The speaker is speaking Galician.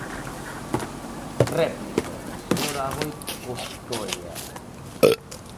Réplica, señora Aboi Costoia.